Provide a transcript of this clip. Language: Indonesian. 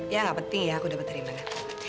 ya gak penting ya aku dapat dari mana